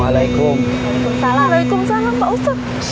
waalaikumsalam pak ustadz